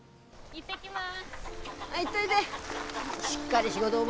行ってきます。